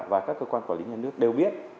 và các cơ quan quản lý nhà nước đều biết